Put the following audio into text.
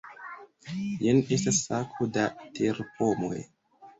Jen estas sako da terpomoj.